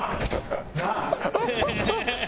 なあ。